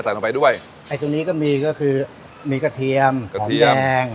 ลงไปด้วยไอ้ตัวนี้ก็มีก็คือมีกระเทียมกระเทียมแห้ง